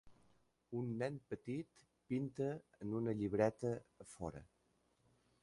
Un nen petit pinta en una llibreta a fora.